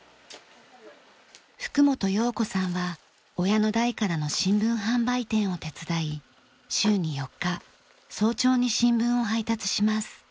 福本揚子さんは親の代からの新聞販売店を手伝い週に４日早朝に新聞を配達します。